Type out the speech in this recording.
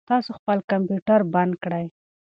تاسو خپل کمپیوټر بند کړئ.